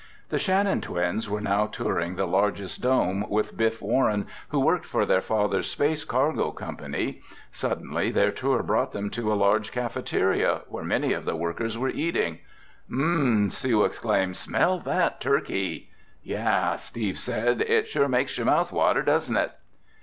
The Shannon twins were now touring the largest dome with Biff Warren, who worked for their father's space cargo company. Suddenly their tour brought them to a large cafeteria where many of the workers were eating. "Umm!" Sue exclaimed. "Smell that turkey!" "Yeah!" Steve said. "It sure makes your mouth water, doesn't it?"